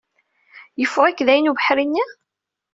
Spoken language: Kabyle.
Yeffeɣ-ik dayen ubeḥri-nni?